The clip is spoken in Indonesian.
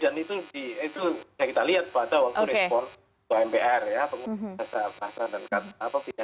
dan itu bisa kita lihat pada waktu respon mpr ya